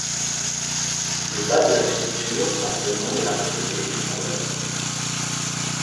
Le bas de la sculpture porte le nom de l'artiste et du fondeur.